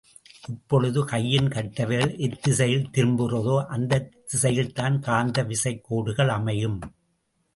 இப்பொழுது கையின் கட்டைவிரல் எத்திசையில் திரும்புகிறதோ அத்திசையில்தான் காந்த விசைக் கோடுகள் அமையும்.